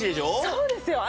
そうですよ！